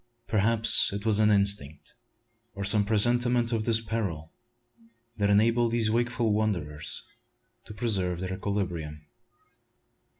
Perhaps it was an instinct or some presentiment of this peril that enabled these wakeful wanderers to preserve their equilibrium.